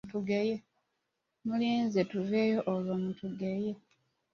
Muliinze tuveewo olwo mutugeye!